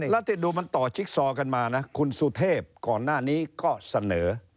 แล้วที่ดูมันต่อจิ๊กซอกันมานะคุณสุเทพก่อนหน้านี้ก็เสนอ